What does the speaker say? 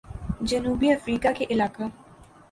جنوبی افریقہ کے علاقہ